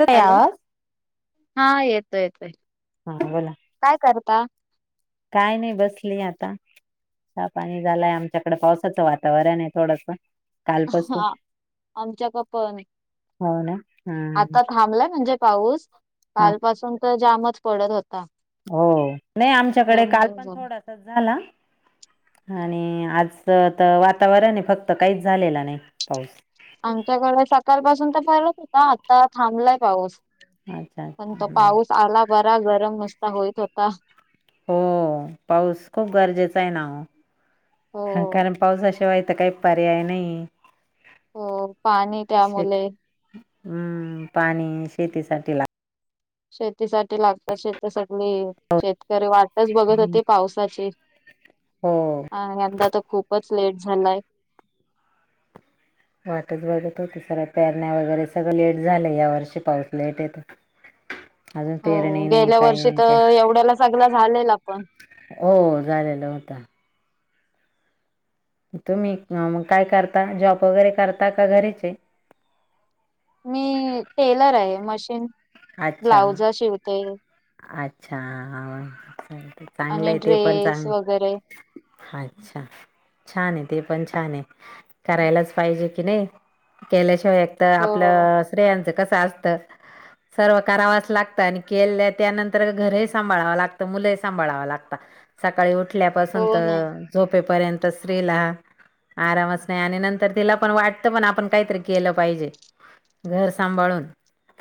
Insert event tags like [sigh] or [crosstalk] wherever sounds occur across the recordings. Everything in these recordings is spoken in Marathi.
येतोय हॅलो. आवाज? [inaudible] हा येतोय, येतोय. हा बोला. काय करता? काय नाही, बसली आता. चहा पाणी झाल्या, मच्याकडे पावसाचं वातावरण आहे थोडसं काल पासून. हा आमच्याक पण [inaudible] हो ना हा आता थांबलाय म्हणजे पाऊस. हा काल पासून तर, जामच पडत होता हो. नाही आमच्याकडे, दोन काल दिवस पण झाले. थोडासाच झाला. आणि आज च तर वातावरण आहे, फक्त काहीच झालेला नाही पाऊस आमच्याकडे सकाळ पासून तर पडत होता, आता थांबलाय पाऊस. अच्छा पण अच्छा तो पाऊस आला बरा, गरम मस्त होईत होता. हो. पाऊस खूप गरजेचा आहे ना वो ह हो. कारण पाऊसा शिवाय तर काही पर्याय नाहीये. हो पाणी त्यामुले हम्म, पाणी शेतीसाठी लाग शेती साठी लागतं. शे तर सगळी शेतकरी वाटच बघत होते पावसाची. हो अ यंदा तर खूपच लेट झालायं. वाटच बघत होती सगळे. पेरण्या वगैरे सगळं लेट झालंय, या वर्षी पाऊस लेट हे तर. [inaudible] हो गेल्या काही वर्षी नाही काय तर एवढ्याला सगळ झालेला पण हो झालेलं होता. तुम्ही मग काय करता? जॉब वगैरे करता का घरीचे? मी टेलर आहे मशीन. [inaudible] अच्छा ब्लाउज शिवते अच्छा! हा हा. असं हाय का? आणि चांगलंय ते पण ड्रेस चांग वगैरे अच्छा छान आहे, ते पण छान आहे. करायलाच पाहिजे की नाही. केल्याशिवाय तर हो आपलं स्त्रीयांच कसं असत, सर्व करावाच लागतं. आणि केले त त्यानंतर घर ही सांभाळावं लागतं, मुलंही सांभाळावं लागता. सकाळी हो उठल्यापासून ना तर झोपेपर्यंत स्त्रीला आरामच नाही. आणि नंतर तिला पण वाटतं, आपण काहीतरी केलं पाहिजे घर सांभाळून.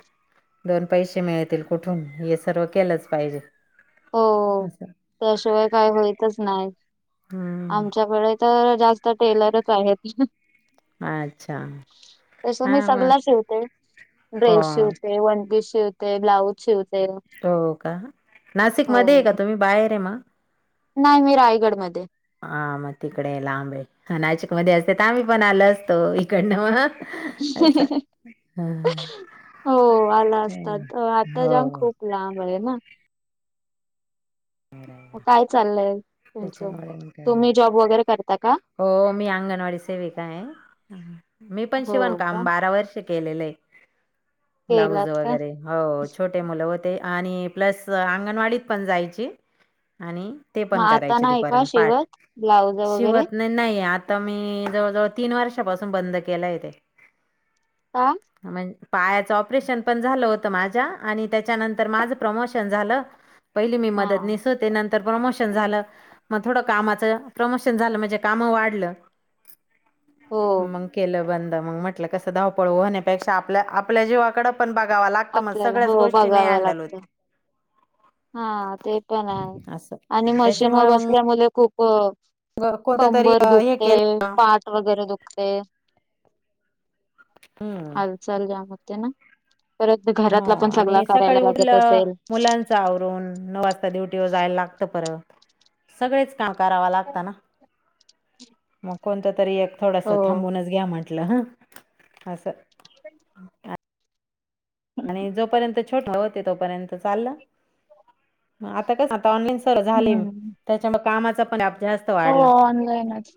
[inaudible] दोन पैसे मिळतील कुठून? हे सर्व केलंच पाहिजे. हो असंय त्याशिवाय काय होयतच नाही. हम्म आमच्याकडे तर जास्त तो टेलरच आहेत. ह अच्छा [inaudible] तस हा मी मग सगलाच शीवते. हो ड्रेस शिवते, वनपीस शिवते, ब्लाऊज शिवते. हो का. नाशिक मध्ये आहे का? तुम्ही बाहेरये मग? नाय मी रायगडमध्ये. हा मग तिकडे लांबे. नाशिक मध्ये असते, तर आम्ही पण आलो असतो. इकडनं मग असं [unintelligible] हा हो आला असतात, आता जांब हो खूप लाबं हाय ना. हम्म मग काय चाललंय तुमच काय नाही तुम्ही जॉब वर वगैरे करता का हो मी अंगणवाडी सेविका आहे हा मी पण हो शिवण का काम बारा वर्ष केलेलं आहे ब्लाऊज केलात का वगैरे हो छोटे मुलं होते आणि प्लस अंगणवाडीत पण जायची आणि ते मग पण आता करायचे नाही दुपारी का पर्यंत पाठ शिवत ब्लाउज वगैरे शिवत नाही आता मी जवळजवळ तीन वर्षापासून बंद केलय आहे तेे का म्हणज पायाचं ऑपरेशन पण झालं होतं माझ्या आणि त्याच्यानंतर माझं प्रमोशन झालं पहिली मी हा मदतनीस होते नंतर प्रमोशन झाल मग थोड कामाच प्रमोशन झालं म्हणजे काम वाढलं हो मंग केलं बंद मग म्हटलं कसं धावपळ होण्यापेक्षा आपल्या आपल्या जीवाकडे पण बघावा लागतं आता मग आपल्याला सगळ्याच हो गोष्टी नाही बघावं हँडल लागतं होतं हा ते पण आहे असं आणि मशीन वर त्याच्यामुळे मग बसल्यामुळे खूप कोणतं तरी कंबर अ, हे दुखते केलं पाट वगैरे दुखते हम्म हाल चलल्या मग ते ना परत घरातला पण सगला करायला लागत असेल मुलांचं आवरून नऊ वाजता ड्युटीवर जायला लागतं परत सगळेच काम करावा लागता ना मग कोणत तरी एक थोडस हो थांबूनच घ्या म्हण म्हणलं ह असं [unintelligible] हम्म आणि जोपर्यंत छोट होते तोपर्यंत चाललं आता का आता ऑनलाईन सर्व झाले हम्म त्याच्यामुळे कामाच पण अभ्यास हो वाढला ऑनलाईनच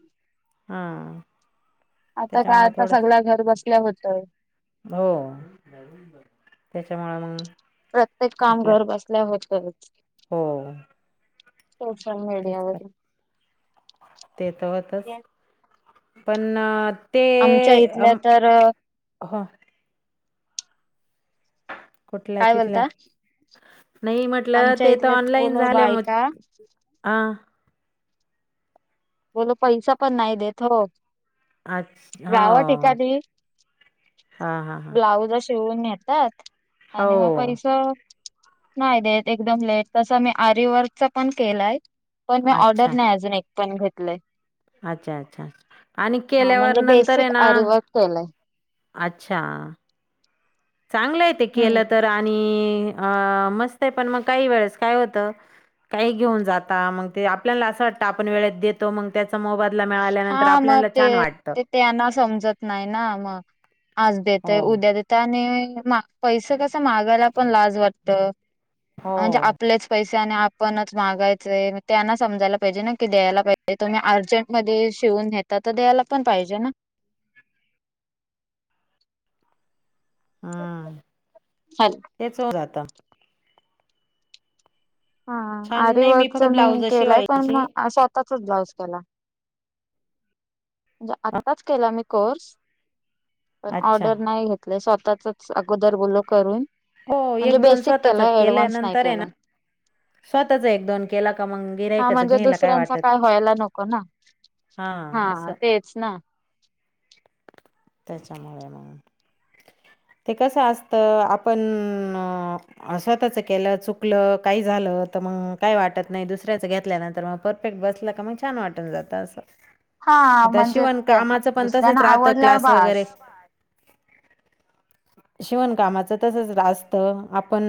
हा आता काय त्याच्यामुळे आता थोडस सगळ घर बसल्या होतय हो त्यांच्यामुळे मग प्रत्येक काम आपल्या घर बसल्या होतच हो सोशल तेच कर मीडियावर ते तर होतच पण ते आमच्या इथल्या तर ह [inaudible] कुठल्या काय तिथल्या बोलता नाही म्हटलं आमच्या ते तर इथल्या ऑनलाईन बोलो झाल्या मग बायका आह बोल पैसा पण नाही देत हो अच्छा गाव हो एखादी हा हा हा ब्लवीज शिवून घेतात आणि मग हो पैसा नाही देत एकदम लेट तस मी आरवर्कचा पण केलाय पण मी अच्छा, ऑर्डर नाही अजून एक पण घेतलंय अच्छा अच्छा आणि हा केल्यावर म्हणजे नंतर आहे बेसिक ना आरीवर्क केलंय अच्छा चांगलं आहे ते हम्म केलं तर आणि अ मस्त आहे पण मग काही वेळेस काय होतं काही घेऊन जाता मग ते आपल्याला असं वाटत आपण वेळेत देतो मग त्याचा मोबाईल मिळाल्यानंतर हा मग आपल्याला ते छान वाटतं ते त्यांना समजत नाही ना मग आज हो, देतय उद्या देत काय नाही पैसे कस मागायला पण लाज वाटत म्हणजे हो. आपलेच पैसे नी आपणच मागायचंय त्यांना समायला पाहिजे ना की द्यायला पाहिजे. तुही अर्जंट मध्ये शिवून नेहतात तर द्यायला पण पाहिजे ना. हल ते चोर आता हा छान नाही आरवर्कच फक्त मी ब्लाउज केलाय पण शिवायची. म स्वतःचच ब्लाऊज केला. म्हणजे अ, आत्ताच केला मी कोर्स पण अच्छा. ऑर्डर नाही घेत. आपल स्वतःचच अगोदर बोल करून हो म्हणजे एक दोन बेसिक स्वतःच केलाय ऍडव्हान्स नाही केल्यानंतर आहे ना केलाय स्वतःच एक दोन केला का मग हा गिरायकच म्हणजे घ्यायला काय दुसऱ्यांचा वाटत नाही. व्हायला नको ना हा असं तेच ना. त्याच्यामुळे मग ते कसं असतं आपण स्वतःच केलं चुकलं काही झालं तर मग काय वाटत नाही दुसऱ्याचं घेतल्यानंतर मग परफेक्ट बसल का मग छान वाटून जात असं. हा आता म्हणजे शिवण त्यां कामाचं पण तसंच दुसऱ्यांना राहतं आवडल क्लास बास. वगैरे शिवणकामाचं तसच असतं आपण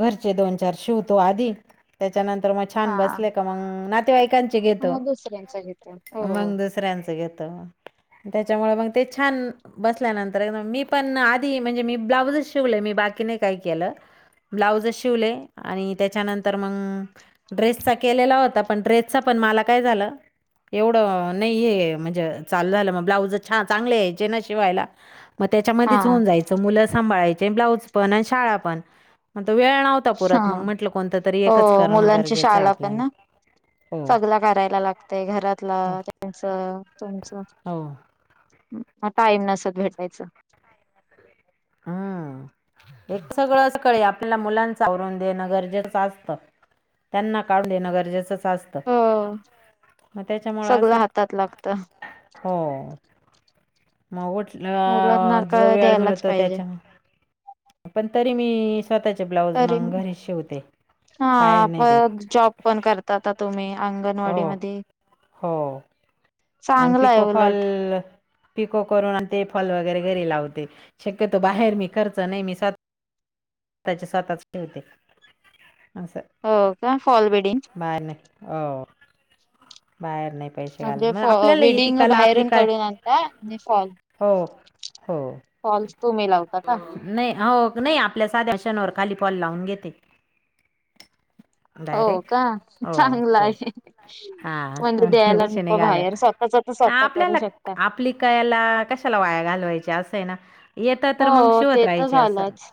घरचे दोन चार शिवतो आधी त्याच्यानंतर मग छान हा बसले का मग न तेवाईकांचे घेतो मग दुसऱ्यांच घेते हो. मग दुसऱ्यांचं घेतो. त्याच्यामुळे मग ते छान बसल्यानंतर आहे ना मी पण म्हणजे मी ब्लाऊज शिवलय मी बाकी नाही काय केलं. ब्लाऊजच शिवलय आणि त्याच्यानंतर मग ड्रेसचा केलेला होता पण ड्रेसचा पण मला काय झालं एवढं नाहीय म्हणजे चाललंलं मग ब्लाउज छान चांगले या्ययचे ना शिवायला. मग हा त्याच्यामध्येच होऊन जायचं मुलं सांभाळायचे ब्लाउज पण आणि शाळा पण मग वेळ नव्ह हा तापुरात मग म्हटलं कोणत तरी एकच हो करणं मुलांची गरजेचं आहे शाळा पण आपल्याला. ना हो सगला करायला लागतय घरातला हो त्यांच तुमच. हो. आता आईना [unintelligible] हम्म एक सगळं असं सकाळी आपल्याला मुलांच आवरून देणं गरजेच असतं. त्यांना काढून देणं गरजेचंच अस त हो मग त्याच्यामूळ असं सगळं हातात लागतं हो. मग मुलांना उठलं का जो वेळ द्यायलाच मिळतोय पाहिजे पण तरी मी स्वतःचे ब्लाऊज तरी मग घरीच शिवते बाहेर हा नाही देत. पण जॉब पण करतात आ तुम्ही हो अंगणवाडीमध्ये हो आणि आहे पिकोफॉल उलट पिको करून आणि ते फॉल वगैरे घरी लावते शक्यतो बाहेर मी खर्च नाही मी त्याचे स्वतःच [unintelligible] असं. हो का फॉलबीडीन बाहेर नाही हो बाहेर नाही. पैसे घालत म्हणजे मग फॉ आपल्याला येते विडिंग कला आपली बाहेरून काय कारुन आणता आणि फॉल हो हो फॉल्स तुम्ही लावता का? नाही हो नाही आपल्या साध्याशनवर खाली फॉल लावून घेते. हो डायरेक्ट का हो चांगलं हो आहे हां म्हणजे द्यायला पैसे नाही नको बाहेर स्वतःच घालत स्वतः करू आपल्याला शकता. आपली कला कशाला वाया घालवायच्या असं आहे ना येतं तर मग हो शिवत ते तर राहायचे असं. झालंच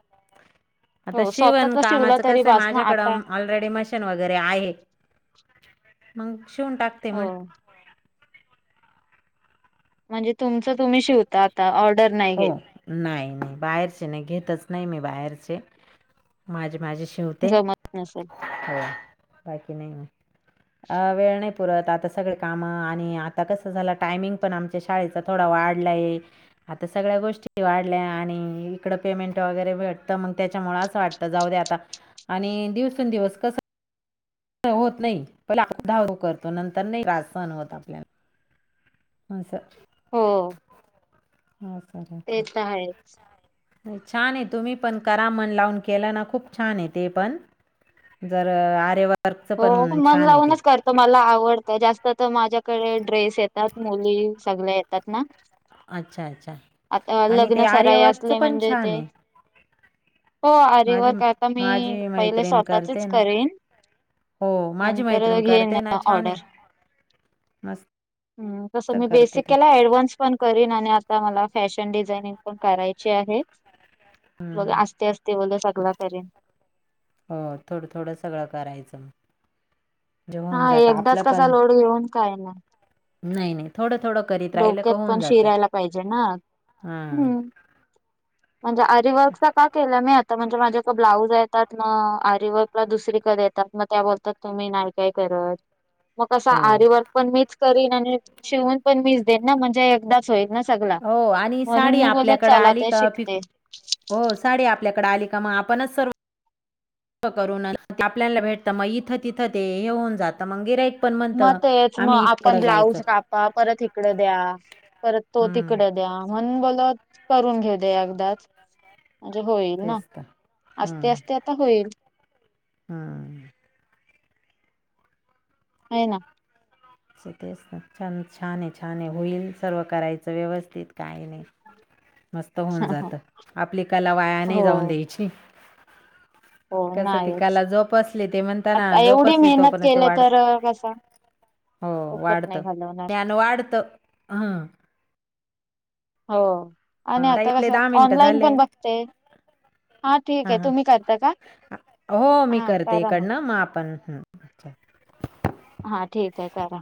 आता हो शिवण स्वतःच शिवलं कामाचं तरी कसं आहे बास ना आता माझ्याकडं ऑलरेडी मशीन वगैरे आहे, मग शिवून टाक हो म्हणजे तुमचं तुम्ही शिवता आता ऑर्डर नाही हो घेत. नाही नाहीच बाहेरचे नाही घेतच नाही मी बाहेरचे, माझे माझे श शिवते. जमत नसेल [unintelligible] अ वेळ नाही पुरत आता सगळ काम आणि आता कसं झालं टायमिंग पण आमच्या शाळेचा थोडा वाढलाय, आता सगळ्या गोष्टी वाढल्या आणि इकडं पेमेंट वगैरे भेटतं मग त्याच्यामुळ असं वाटतं जाऊदे आटा आणि दिवसेंदवस कस होत नाही प धाारू करतो नंतर नाही त्रास सहण होत आपल्याला. अस हो हो सर ते तर आहे. [unintelligible] छान आहे तुम्ही पण करा मन लावून केलं ना खूप छान आहे ते पण, जर आरेवा हो मन लावूनच करते तर मला आवडतं जास्त तर माझ्याकडे ड्रेस येतात मुली सगळ येतात ना, अच्छा अच्छा आता आणि ते लग्न सराई आर्यवर्कचं असले पण म्हणजे छान ते आहे हो माझी आरिवर्क आता मी माझी पहिले मैत्रीण स्वतःचच करते ना करेन. हो माझी नंतर मैत्रीण घेन करते ना छान ऑर्डर आहे मस्त ह तसं मी करते बेसिक ते केला, ऍडव्हान्स पण करीन आणि आता मला फॅशन डिझाइनिंग पण करायची आहे. हम्म, हम्म. अस्तर ते बोल सगल करेन. हो थोडं थोडं सगळं करायचं मग म्हणजे हा होऊन जातं एकदाच आपलं कसा पण लोड घेऊन काय नाय. नाही नाही थोडा थोड डोक्यात पण शिरायला पाहिजे ना. हां हम् म्हणजे आरीवर्कचा का केलं मी आता म्हणजे माझ्याक ब्लाउज येतात ना आरी वर्क ला दुसरीकडे येत मग त्या बोलतात तुम्ही नाही काय करत, मग कसं हो आरीवर्क पण मीच करीन आणि शिवून पण मीच देईन ना म्हणजे एकदा होईल ना सगला हो आणि म्हणून साडी मी बोलत आपल्याकडं चला आली ते का पिको शिकते. हो साडी आपल्याकडे आली का मग आपणच सर्व करन आपल्याला भेटत मग इथं तिथं ते हे होऊन जातं मग गिरयक मग तेच मग आपण ब्लाऊज कापा परत इकड द्या परत तो हं, तिकड द्या म्हणून बोलत करून घेऊ दे एकदाच म्हणजे होईल ना, तेच तर असते असते आता होईल. हां हे ना तेच छान छान आहे होईल सर्व करायचं व्यवस्थित काही नाही. मत होऊन जात आपली कला वाया नाही हो जाऊन द्यायची. [unintelligible] कसं नाहीच तिकला जोप असली ते म्हणताना आता जोप एवढी असले तो मेहनत पण ते केले वाढत. तर कसा हो फुकट वाढत, नाही घालवणार न्यान वाढत. हम् हो आणि ताई आता आपले कसं दहा मिनटं ऑनलाईन झाले पण बघते. हा ठीक हां आहे हां तुम्ही करता का? हो मी हा करते करा मग. इकडनं आपण हं, अच्छा हा, ठीक आहे करा.